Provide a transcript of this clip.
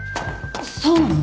そうなの！？